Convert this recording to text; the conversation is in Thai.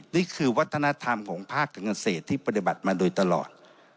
นี่คือวัฒนธรรมของภาคเกษตรที่ปฏิบัติมาโดยตลอด